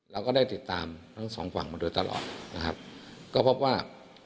เราก็ได้ติดตามทั้งสองฝั่งมาโดยตลอดนะครับก็พบว่า